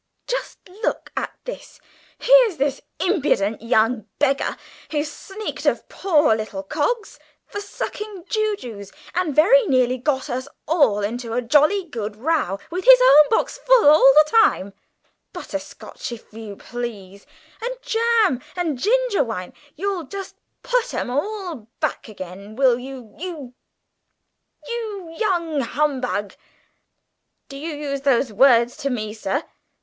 Just look at this! Here's this impudent young beggar, who sneaked of poor old Coggs for sucking jujubes, and very nearly got us all into a jolly good row, with his own box full all the time; butterscotch, if you please, and jam, and ginger wine! You'll just put 'em all back again, will you, you young humbug!" "Do you use those words to me, sir?"